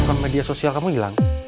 bukan media sosial kamu hilang